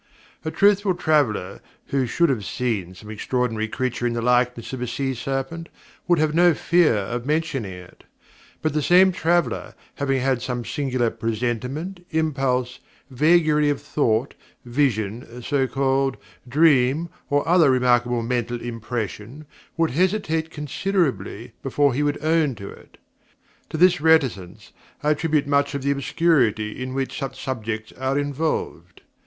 A truthful traveller who should have seen some extraordinary creature in the likeness of a sea serpent, would have no fear of mentioning it; but the same traveller having had some singular presentiment, impulse, vagary of thought, vision (so called), dream, or other remarkable mental impression, would hesitate considerably before he would own to it. To this reticence I attribute much of the obscurity in which such subjects are involved.